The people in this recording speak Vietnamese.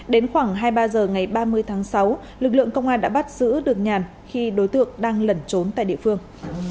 đến khoảng hai mươi ba h ngày ba mươi tháng sáu lực lượng công an đã bắt giữ được nhàn khi đối tượng đang lẩn trốn tại địa phương